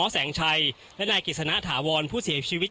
แสงชัยและนายกฤษณะถาวรผู้เสียชีวิต